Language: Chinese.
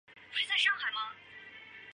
这样便实现了分离矿物的目的。